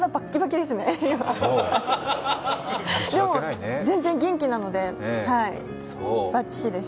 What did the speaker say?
でも全然元気なのでバッチシです。